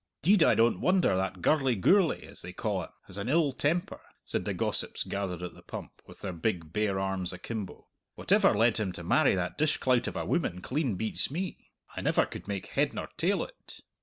"'Deed, I don't wonder that gurly Gourlay, as they ca' him, has an ill temper," said the gossips gathered at the pump, with their big, bare arms akimbo; "whatever led him to marry that dishclout of a woman clean beats me! I never could make head nor tail o't!"